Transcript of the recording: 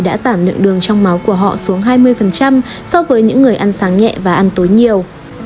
đã giảm lượng đường trong máu của họ xuống hai mươi so với những người ăn sáng nhẹ và ăn tối nhiều